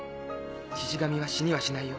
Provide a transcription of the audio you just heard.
シシ神は死にはしないよ